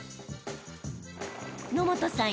野本さん